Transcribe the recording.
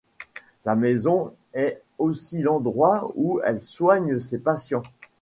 Sa maison est aussi l'endroit où elle soigne ses patients.